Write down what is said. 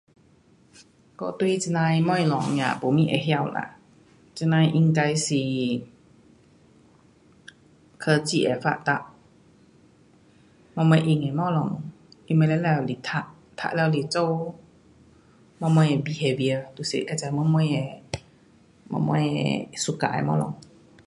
我对这样的东西有真不什么会晓啦。um 这样的应该是，是科技的发达，什么因为东西，什么全部是读做什么，behavior, 就是有什么的，什么的 suka 的东西。